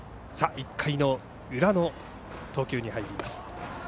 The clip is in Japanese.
１回裏の投球に入ります。